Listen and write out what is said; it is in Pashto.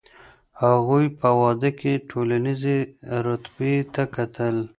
هغوی په واده کي ټولنیزې رتبې ته کتل.